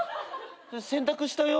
洗濯したよ。